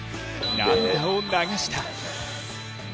涙を流した。